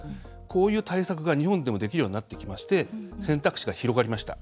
こういう対策が日本でもできるようになってきまして選択肢が広がりました。